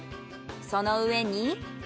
その上に。